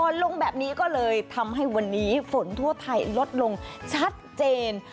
ลงแบบนี้ก็เลยทำให้วันนี้ฝนทั่วไทยลดลงชัดเจน